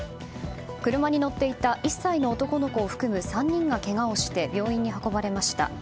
車に乗っていた１歳の男の子を含む３人がけがをして病院に運ばれました。